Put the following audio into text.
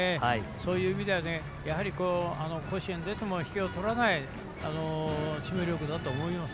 そういう意味では甲子園出ても引けを取らないチーム力だと思います。